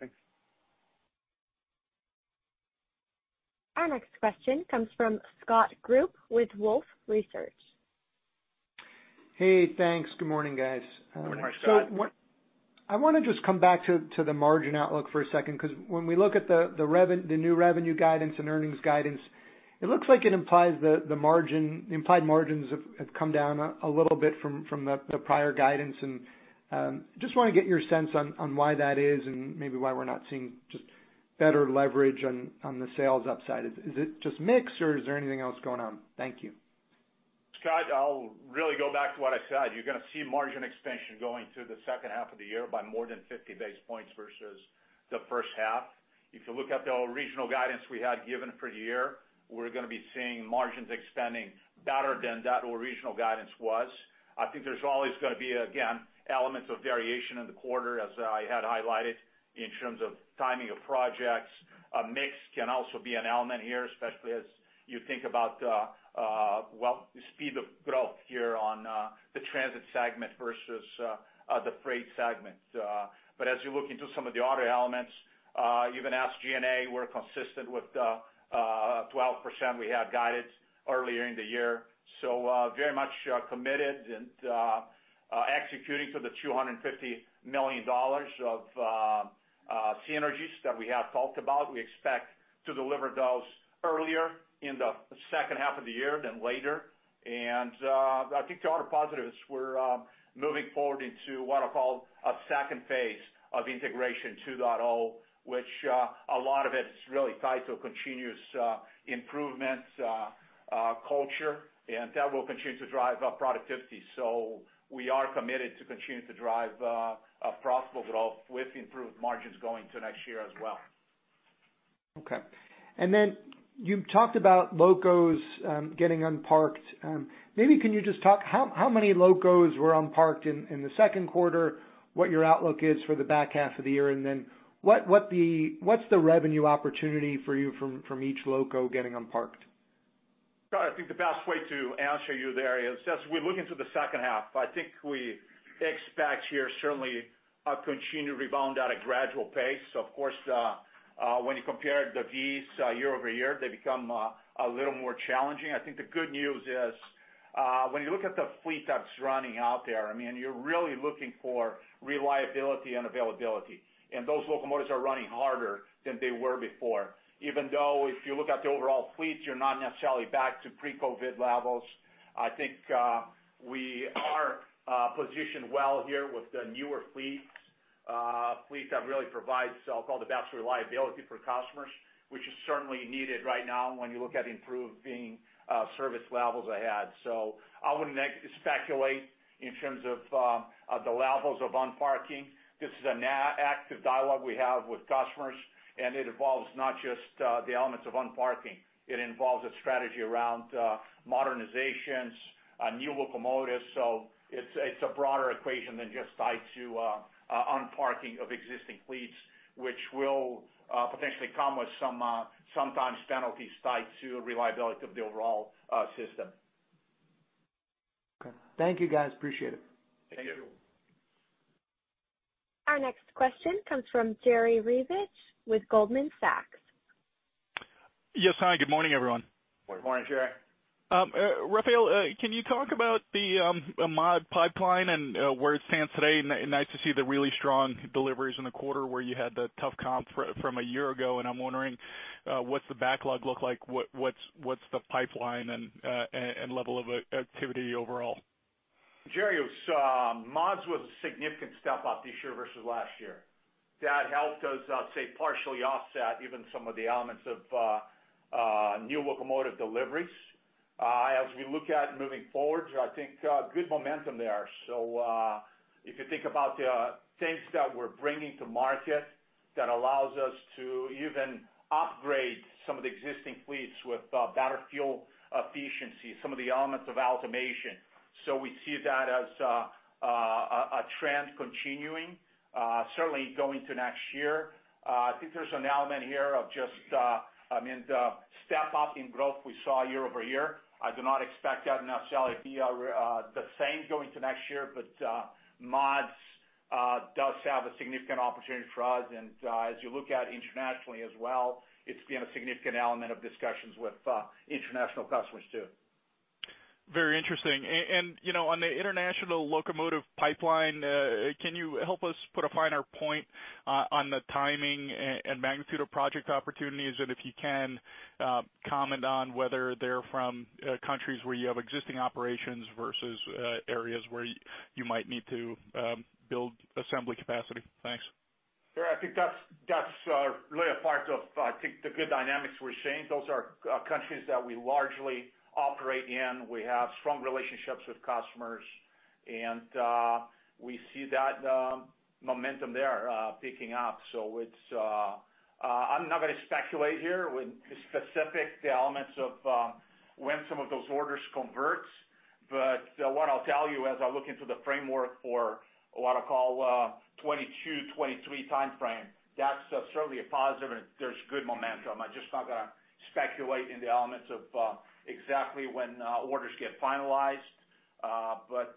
Thanks. Our next question comes from Scott Group with Wolfe Research. Hey, thanks. Good morning, guys. Good morning, Scott. I want to just come back to the margin outlook for a second, because when we look at the new revenue guidance and earnings guidance, it looks like it implies the margin, implied margins have come down a little bit from the prior guidance, and just want to get your sense on why that is and maybe why we're not seeing just better leverage on the sales upside. Is it just mix or is there anything else going on? Thank you. Scott Group, I'll really go back to what I said. You're going to see margin expansion going through the second half of the year by more than 50 basis points versus the first half. If you look at the original guidance we had given for the year, we're going to be seeing margins expanding better than that original guidance was. I think there's always going to be, again, elements of variation in the quarter, as I had highlighted, in terms of timing of projects. Mix can also be an element here, especially as you think about the speed of growth here on the transit segment versus the freight segment. As you look into some of the other elements, even as G&A, we're consistent with the 12% we had guided earlier in the year. Very much committed and executing to the $250 million of synergies that we have talked about. We expect to deliver those earlier in the second half of the year than later. I think the other positives, we're moving forward into what I call a second phase of Integration 2.0, which a lot of it is really tied to a continuous improvement culture, and that will continue to drive up productivity. We are committed to continue to drive profitable growth with improved margins going to next year as well. Okay. You talked about locos getting unparked. Maybe can you just talk, how many locos were unparked in the second quarter, what your outlook is for the back half of the year, what's the revenue opportunity for you from each loco getting unparked? Scott, I think the best way to answer you there is just we're looking to the second half. I think we expect here certainly a continued rebound at a gradual pace. Of course, when you compare the piece year-over-year, they become a little more challenging. I think the good news is, when you look at the fleet that's running out there, you're really looking for reliability and availability. Those locomotives are running harder than they were before. Even though if you look at the overall fleet, you're not necessarily back to pre-COVID levels. I think we are positioned well here with the newer fleets. Fleets that really provide, I'll call the best reliability for customers, which is certainly needed right now when you look at improving service levels ahead. I wouldn't speculate in terms of the levels of unparking. This is an active dialogue we have with customers, and it involves not just the elements of unparking. It involves a strategy around modernizations, new locomotives. It's a broader equation than just tied to unparking of existing fleets, which will potentially come with sometimes penalties tied to reliability of the overall system. Okay. Thank you, guys. Appreciate it. Thank you. Our next question comes from Jerry Revich with Goldman Sachs. Yes, hi. Good morning, everyone. Good morning, Jerry. Rafael, can you talk about the mod pipeline and where it stands today? Nice to see the really strong deliveries in the quarter where you had the tough comp from a year ago. I'm wondering what's the backlog look like, what's the pipeline and level of activity overall? Jerry, mods was a significant step up this year versus last year. That helped us, I'd say, partially offset even some of the elements of new locomotive deliveries. We look at moving forward, I think good momentum there. If you think about the things that we're bringing to market that allows us to even upgrade some of the existing fleets with better fuel efficiency, some of the elements of automation. We see that as a trend continuing, certainly going to next year. I think there's an element here of just the step up in growth we saw year-over-year. I do not expect that necessarily be the same going to next year. Mods does have a significant opportunity for us. As you look at internationally as well, it's been a significant element of discussions with international customers, too. Very interesting. On the international locomotive pipeline, can you help us put a finer point on the timing and magnitude of project opportunities? If you can, comment on whether they're from countries where you have existing operations versus areas where you might need to build assembly capacity. Thanks. Sure. I think that's really a part of, I think, the good dynamics we're seeing. Those are countries that we largely operate in. We have strong relationships with customers, and we see that momentum there picking up. I'm not going to speculate here with specific elements of when some of those orders convert, but what I'll tell you, as I look into the framework for what I call a 2022, 2023 timeframe, that's certainly a positive and there's good momentum. I'm just not going to speculate in the elements of exactly when orders get finalized.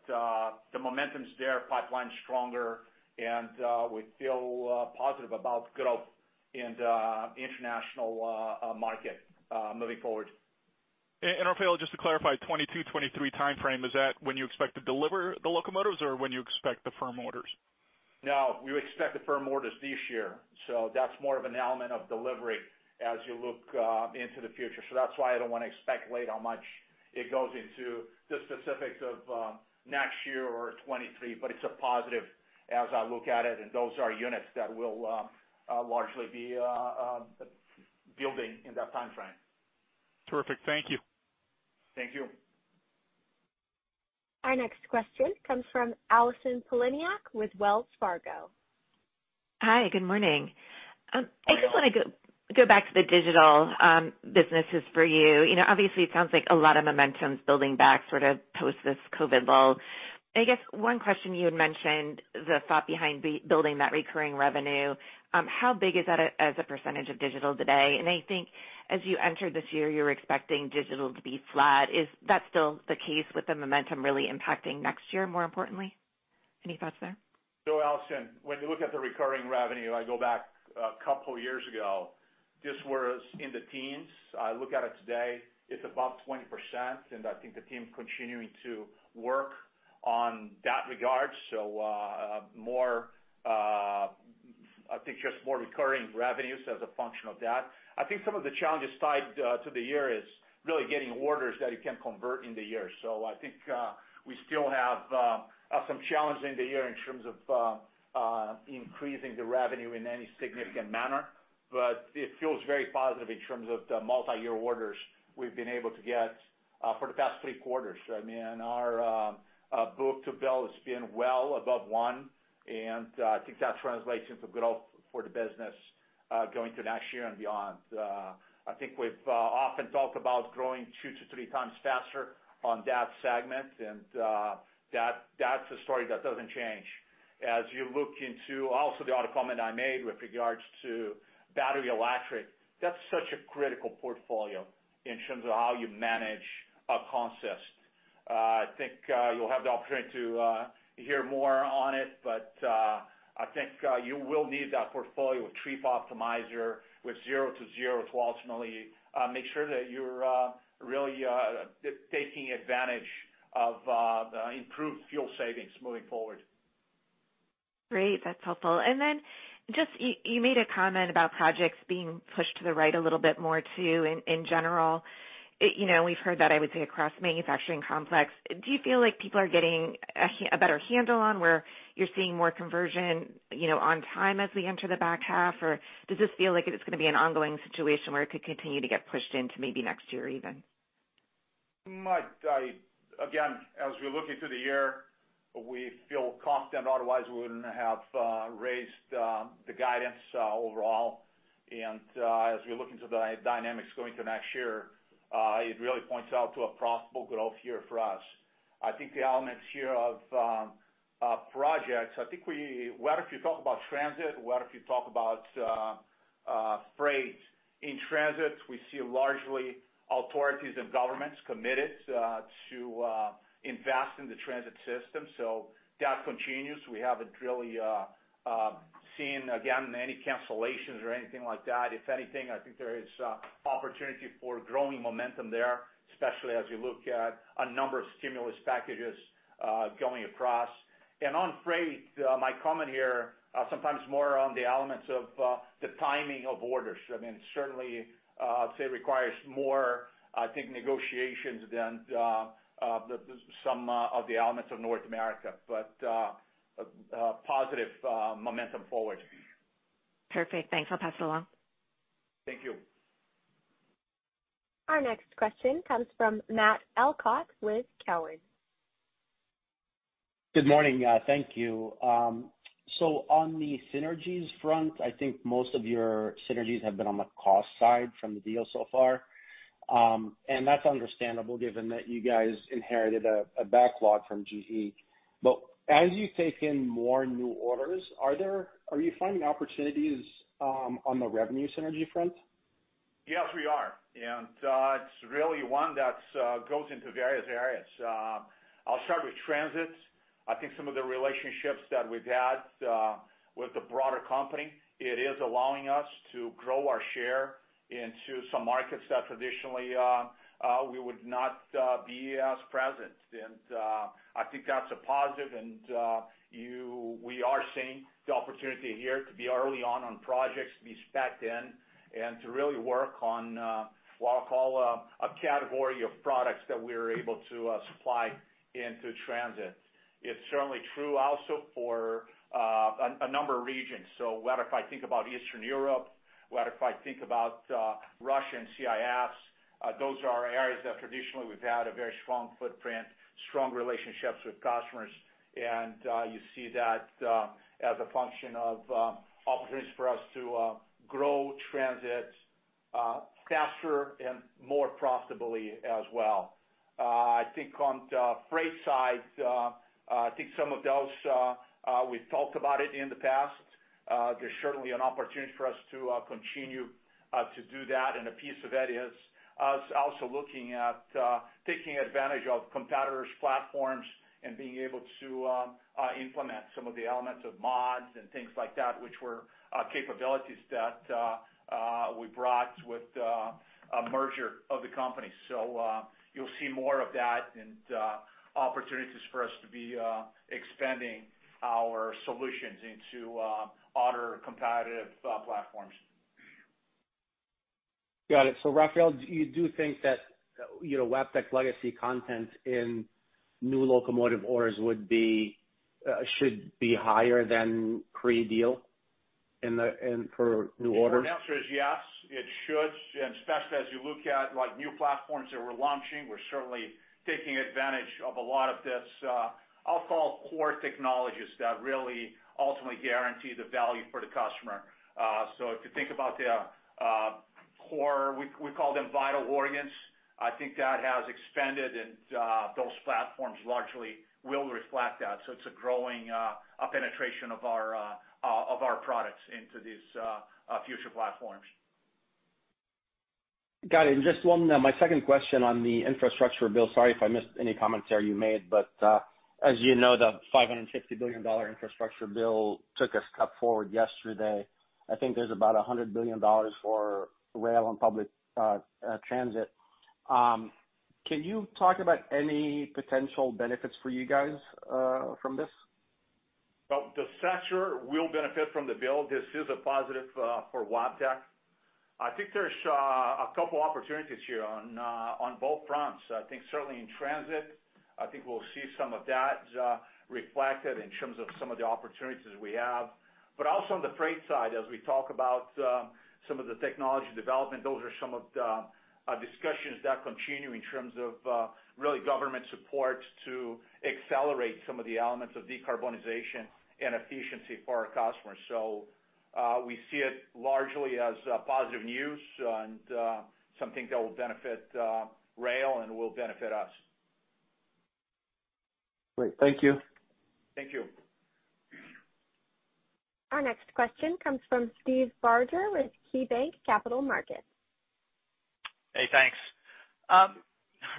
The momentum's there, pipeline's stronger, and we feel positive about growth in the international market moving forward. Rafael, just to clarify, 2022, 2023 timeframe, is that when you expect to deliver the locomotives or when you expect the firm orders? No, we expect the firm orders this year, so that's more of an element of delivery as you look into the future. That's why I don't want to speculate how much it goes into the specifics of next year or 2023, but it's a positive as I look at it, and those are units that we'll largely be building in that timeframe. Terrific. Thank you. Thank you. Our next question comes from Allison Poliniak with Wells Fargo. Hi. Good morning. I just want to go back to the digital businesses for you. Obviously, it sounds like a lot of momentum's building back sort of post this COVID lull. I guess one question, you had mentioned the thought behind building that recurring revenue. How big is that as a percentage of digital today? I think as you entered this year, you were expecting digital to be flat. Is that still the case with the momentum really impacting next year, more importantly? Any thoughts there? Allison, when you look at the recurring revenue, I go back a couple years ago, this was in the teens. I look at it today, it's above 20%. I think the team continuing to work on that regard. I think just more recurring revenues as a function of that. I think some of the challenges tied to the year is really getting orders that you can convert in the year. I think we still have some challenge in the year in terms of increasing the revenue in any significant manner. It feels very positive in terms of the multi-year orders we've been able to get for the past three quarters. Our book-to-bill has been well above 1. I think that translates into growth for the business going to next year and beyond. I think we've often talked about growing two to three times faster on that segment, and that's a story that doesn't change. As you look into also the other comment I made with regards to battery-electric, that's such a critical portfolio in terms of how you manage a consist. I think you'll have the opportunity to hear more on it, but I think you will need that portfolio with Trip Optimizer, with Zero-to-Zero to ultimately make sure that you're really taking advantage of improved fuel savings moving forward. Great. That's helpful. You made a comment about projects being pushed to the right a little bit more, too, in general. We've heard that, I would say, across manufacturing complex. Do you feel like people are getting a better handle on where you're seeing more conversion on time as we enter the back half? Or does this feel like it's going to be an ongoing situation where it could continue to get pushed into maybe next year, even? Mike, again, as we look into the year, we feel confident. Otherwise, we wouldn't have raised the guidance overall. As we look into the dynamics going to next year, it really points out to a profitable growth year for us. I think the elements here of projects, whether if you talk about transit, whether if you talk about freight. In transit, we see largely authorities and governments committed to invest in the transit system, that continues. We haven't really seen, again, any cancellations or anything like that. If anything, I think there is opportunity for growing momentum there, especially as we look at a number of stimulus packages going across. On freight, my comment here, sometimes more on the elements of the timing of orders. Certainly, I'd say requires more, I think, negotiations than some of the elements of North America, positive momentum forward. Perfect. Thanks, I'll pass it along. Thank you. Our next question comes from Matt Elkott with Cowen. Good morning. Thank you. On the synergies front, I think most of your synergies have been on the cost side from the deal so far. That's understandable given that you guys inherited a backlog from GE. As you take in more new orders, are you finding opportunities on the revenue synergy front? Yes, we are, and it's really one that goes into various areas. I'll start with transit. I think some of the relationships that we've had with the broader company, it is allowing us to grow our share into some markets that traditionally we would not be as present. I think that's a positive and we are seeing the opportunity here to be early on projects, to be specced in, and to really work on what I'll call a category of products that we're able to supply into transit. It's certainly true also for a number of regions. Whether if I think about Eastern Europe, whether if I think about Russia and CIS, those are areas that traditionally we've had a very strong footprint, strong relationships with customers, and you see that as a function of opportunities for us to grow transit faster and more profitably as well. On the freight side, I think some of those, we've talked about it in the past. There's certainly an opportunity for us to continue to do that. A piece of that is us also looking at taking advantage of competitors' platforms and being able to implement some of the elements of mods and things like that, which were capabilities that we brought with a merger of the company. You'll see more of that and opportunities for us to be expanding our solutions into other competitive platforms. Got it. Rafael, do you think that Wabtec legacy content in new locomotive orders should be higher than pre-deal for new orders? The answer is yes, it should, and especially as you look at new platforms that we're launching. We're certainly taking advantage of a lot of this, I'll call core technologies that really ultimately guarantee the value for the customer. If you think about the core, we call them vital organs. I think that has expanded and those platforms largely will reflect that. It's a growing penetration of our products into these future platforms. Got it. Just one, my second question on the infrastructure bill. Sorry if I missed any comments there you made, but as you know, the $560 billion infrastructure bill took a step forward yesterday. I think there's about $100 billion for rail and public transit. Can you talk about any potential benefits for you guys from this? Well, the sector will benefit from the bill. This is a positive for Wabtec. I think there's a couple opportunities here on both fronts. I think certainly in transit, I think we'll see some of that reflected in terms of some of the opportunities we have. Also on the freight side, as we talk about some of the technology development, those are some of the discussions that continue in terms of really government support to accelerate some of the elements of decarbonization and efficiency for our customers. We see it largely as positive news and something that will benefit rail and will benefit us. Great. Thank you. Thank you. Our next question comes from Steve Barger with KeyBanc Capital Markets. Hey, thanks.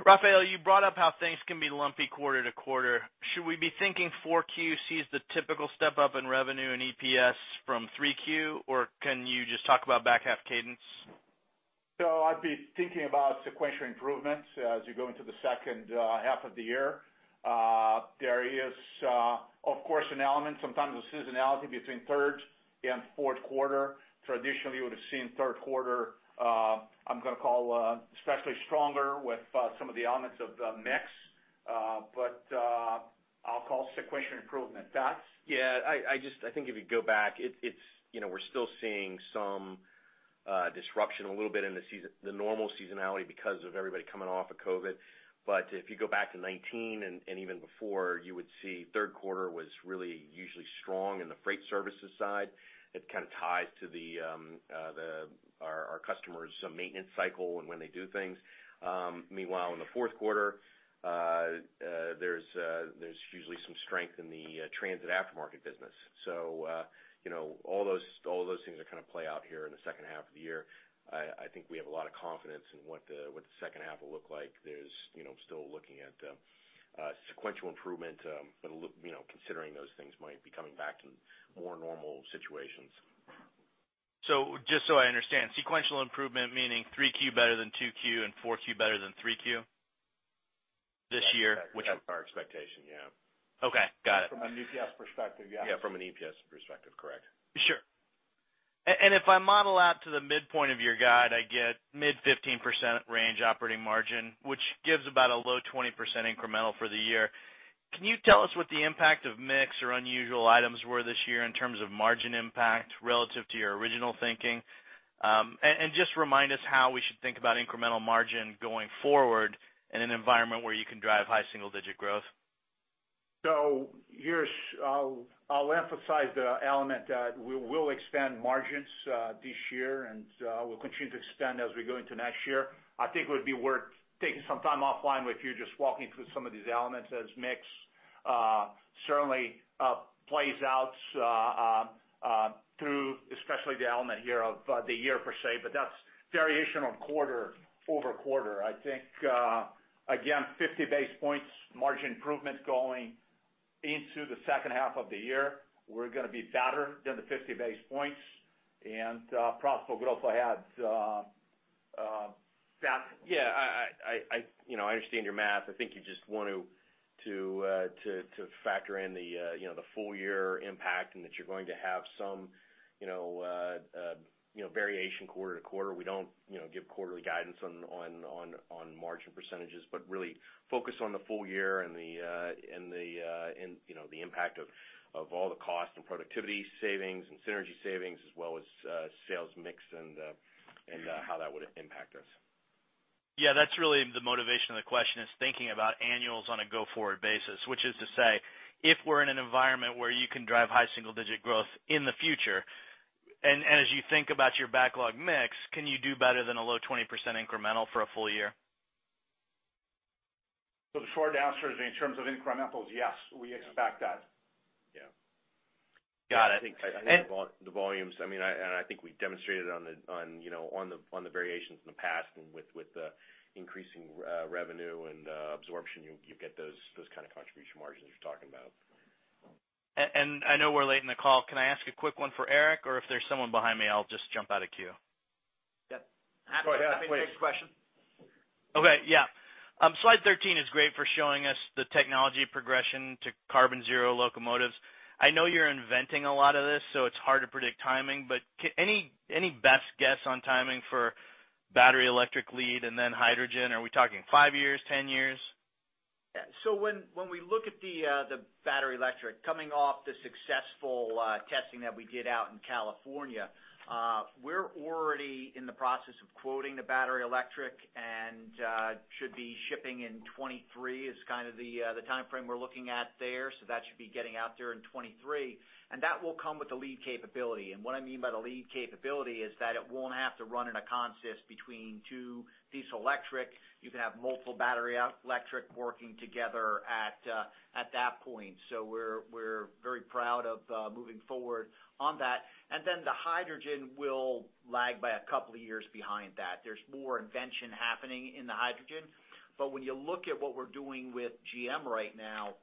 Rafael, you brought up how things can be lumpy quarter-to-quarter. Should we be thinking 4Q sees the typical step-up in revenue and EPS from 3Q, or can you just talk about back half cadence? I'd be thinking about sequential improvements as you go into the second half of the year. There is, of course, an element, sometimes a seasonality between third and fourth quarter. Traditionally, you would've seen third quarter, I'm going to call especially stronger with some of the elements of the mix. I'll call sequential improvement. Yeah, I think if you go back, we're still seeing some disruption, a little bit in the normal seasonality because of everybody coming off of COVID. If you go back to 2019 and even before, you would see third quarter was really usually strong in the freight services side. It kind of ties to our customer's maintenance cycle and when they do things. Meanwhile, in the fourth quarter, there's usually some strength in the transit aftermarket business. All those things kind of play out here in the second half of the year. I think we have a lot of confidence in what the second half will look like. I'm still looking at sequential improvement, but considering those things might be coming back in more normal situations. Just so I understand, sequential improvement meaning three Q better than two Q and four Q better than three Q this year? That's our expectation, yeah. Okay. Got it. From an EPS perspective, yeah. Yeah, from an EPS perspective, correct. Sure. If I model out to the midpoint of your guide, I get mid-15% range operating margin, which gives about a low 20% incremental for the year. Can you tell us what the impact of mix or unusual items were this year in terms of margin impact relative to your original thinking? Just remind us how we should think about incremental margin going forward in an environment where you can drive high single-digit growth. I'll emphasize the element that we will expand margins this year, and we'll continue to expand as we go into next year. I think it would be worth taking some time offline with you, just walking through some of these elements as mix certainly plays out through, especially the element here of the year per se. That's variation on quarter-over-quarter. I think again, 50 basis points margin improvement going into the second half of the year. We're going to be better than the 50 basis points. Pat could also add that. Yeah, I understand your math. I think you just want to factor in the full year impact and that you're going to have some variation quarte-to-quarter. We don't give quarterly guidance on margin percentages, but really focus on the full year and the impact of all the cost and productivity savings and synergy savings, as well as sales mix and how that would impact us. Yeah, that's really the motivation of the question, is thinking about annuals on a go-forward basis. Which is to say, if we're in an environment where you can drive high single-digit growth in the future, and as you think about your backlog mix, can you do better than a low 20% incremental for a full year? The short answer is, in terms of incrementals, yes, we expect that. Yeah. Got it. I think the volumes, and I think we demonstrated it on the variations in the past, and with the increasing revenue and absorption, you get those kind of contribution margins you're talking about. I know we're late in the call. Can I ask a quick one for Eric? If there's someone behind me, I'll just jump out of queue. Yeah. Go ahead. Please. Ask the question. Okay. Yeah. Slide 13 is great for showing us the technology progression to carbon zero locomotives. I know you're inventing a lot of this, so it's hard to predict timing, but any best guess on timing for battery electric lead and then hydrogen? Are we talking five years, 10 years? When we look at the battery-electric coming off the successful testing that we did out in California, we're already in the process of quoting the battery-electric and should be shipping in 2023, is kind of the timeframe we're looking at there. That's be getting after 2023, and that will come lead capability. What I mean by the lead capability is that it won't have to run in a consist between two diesel-electric. You can have multiple battery-electric working together at that point. We're very proud of moving forward on that. The hydrogen will lag by a couple of years behind that. There's more invention happening in the hydrogen. When you look at what we're doing with GM right now,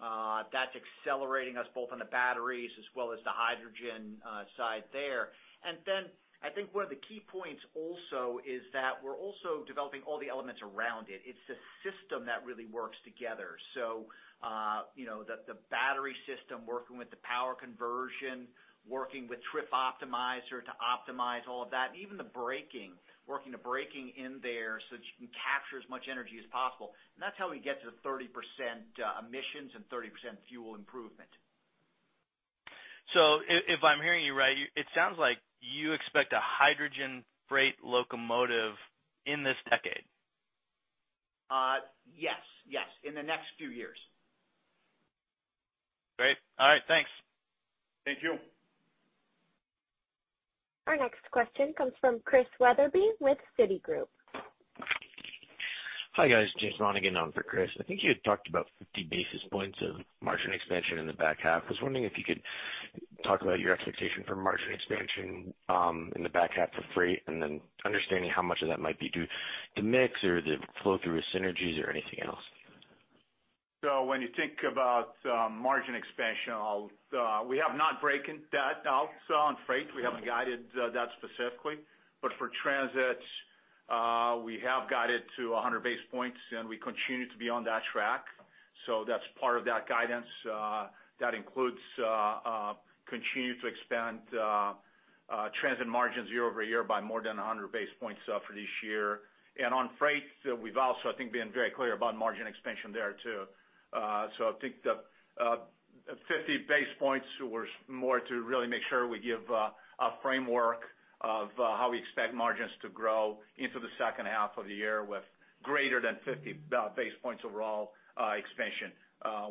that's accelerating us both on the batteries as well as the hydrogen side there. Then I think one of the key points also is that we're also developing all the elements around it. It's the system that really works together. The battery system working with the power conversion, working with Trip Optimizer to optimize all of that, and even the braking, working the braking in there so that you can capture as much energy as possible. That's how we get to the 30% emissions and 30% fuel improvement. If I'm hearing you right, it sounds like you expect a hydrogen freight locomotive in this decade. Yes. In the next few years. Great. All right, thanks. Thank you. Our next question comes from Chris Wetherbee with Citigroup. Hi, guys. James Romaine again on for Chris. I think you had talked about 50 basis points of margin expansion in the back half. I was wondering if you could talk about your expectation for margin expansion in the back half for freight, and then understanding how much of that might be due to mix or the flow through synergies or anything else. When you think about margin expansion, we have not broken that out on freight. We haven't guided that specifically. But for transit, we have guided to 100 basis points, and we continue to be on that track. That's part of that guidance. That includes continuing to expand transit margins year over year by more than 100 basis points for this year. On freight, we've also, I think, been very clear about margin expansion there too. I think the 50 basis points was more to really make sure we give a framework of how we expect margins to grow into the second half of the year with greater than 50 basis points overall expansion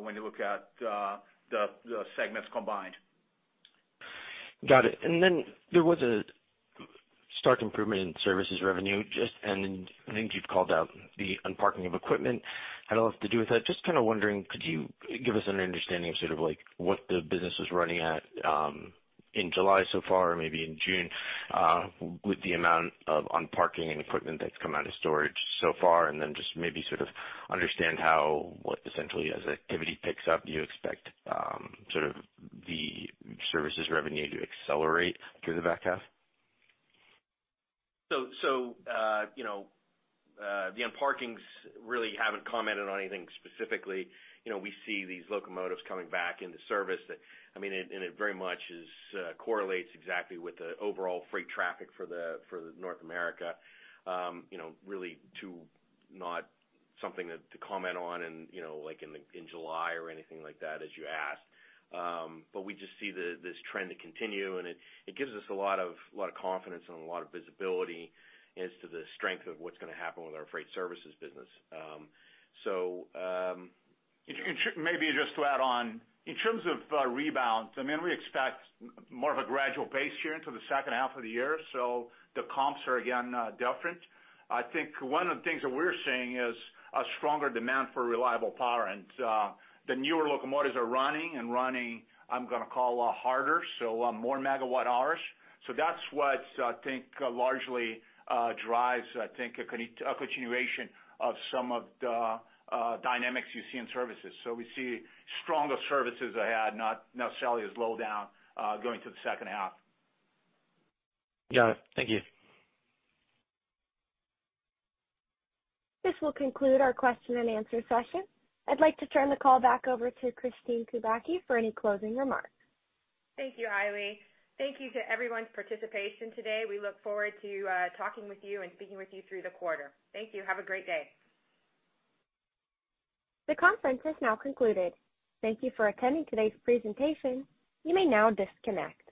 when you look at the segments combined. Got it. Then there was a stark improvement in services revenue. I think you've called out the unparking of equipment had a lot to do with it. I'm just kind of wondering, could you give us an understanding of sort of what the business is running at in July so far, or maybe in June, with the amount of unparking and equipment that's come out of storage so far, then just maybe sort of understand how, what essentially, as activity picks up, do you expect sort of the services revenue to accelerate through the back half? The unparkings, really haven't commented on anything specifically. We see these locomotives coming back into service. It very much correlates exactly with the overall freight traffic for North America. Really not something to comment on in July or anything like that, as you asked. We just see this trend to continue, and it gives us a lot of confidence and a lot of visibility as to the strength of what's going to happen with our freight services business. Maybe just to add on, in terms of rebounds, we expect more of a gradual pace here into the second half of the year. The comps are again, different. I think one of the things that we're seeing is a stronger demand for reliable power. The newer locomotives are running, I'm going to call, harder, so more megawatt hours. That's what I think largely drives a continuation of some of the dynamics you see in services. We see stronger services ahead, not necessarily as low down, going to the second half. Got it. Thank you. This will conclude our question and answer session. I'd like to turn the call back over to Kristine Kubacki for any closing remarks. Thank you, Hailey. Thank you to everyone's participation today. We look forward to talking with you and speaking with you through the quarter. Thank you. Have a great day. The conference has now concluded. Thank you for attending today's presentation. You may now disconnect.